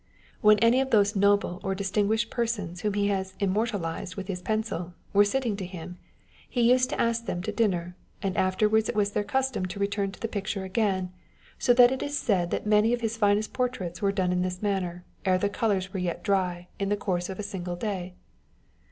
When any of those noble or distin guished persons whom he has immortalised with his pencil, were sitting to him, he used to ask them to dinner, and afterwards it was their custom to return to the picture again, so that it is said that many of his finest portraits were done in this manner, ere the colours were yet dry, in the course of a single day.